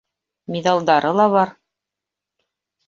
Миҙалдары ла бар.